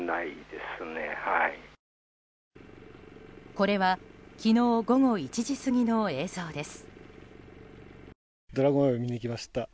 これは昨日午後１時過ぎの映像です。